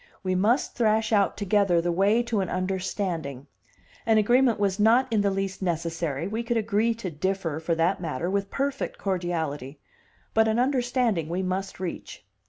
We must thrash out together the way to an understanding; an agreement was not in the least necessary we could agree to differ, for that matter, with perfect cordiality but an understanding we must reach.